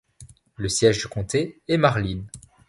Le siège du comté est Marlin.